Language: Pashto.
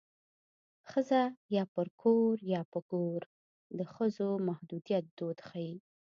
ښځه یا پر کور یا په ګور د ښځو د محدودیت دود ښيي